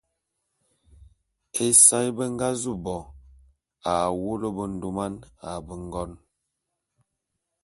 Ésae…be nga zu bo a mvolo bendôman a bengon.